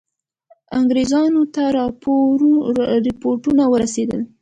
انګرېزانو ته دا رپوټونه ورسېدل.